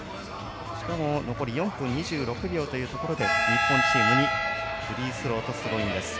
しかも残り４分２６秒というところで日本チームにフリースローとスローインです。